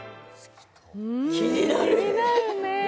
気になる。